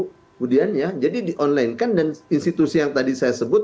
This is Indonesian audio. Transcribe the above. kemudian ya jadi di online kan dan institusi yang tadi saya sebut